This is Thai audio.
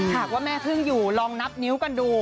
หากว่าแม่พึ่งอยู่ลองนับนิ้วกันดู